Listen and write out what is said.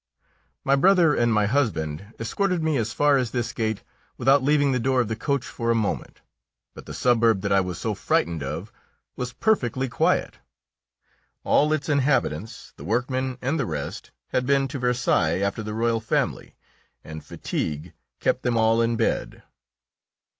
My brother and my husband escorted me as far as this gate without leaving the door of the coach for a moment; but the suburb that I was so frightened of was perfectly quiet. All its inhabitants, the workmen and the rest, had been to Versailles after the royal family, and fatigue kept them all in bed.